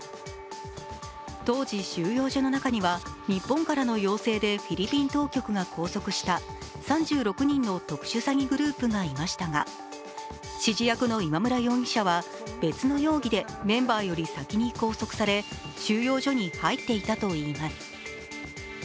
当時、収容所の中には日本からの要請でフィリピン当局が拘束した３６人の特殊詐欺グループがいましたが、指示役の今村容疑者は別の容疑でメンバーより先に拘束され、収容所に入っていたといいます。